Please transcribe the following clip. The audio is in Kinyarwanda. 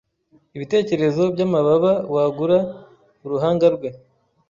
ibitekerezo byamababa wagura uruhanga rwe